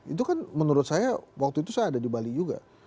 itu kan menurut saya waktu itu saya ada di bali juga